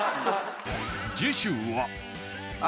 次週は